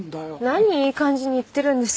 何いい感じに言ってるんですか。